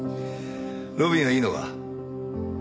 路敏はいいのか？